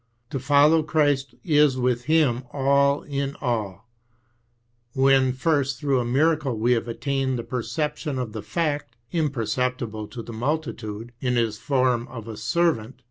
To follow Christ is with him all in all, when first through a miracle we have attained the perception of the fact, imperceptible to the multitude, in His form of a servant.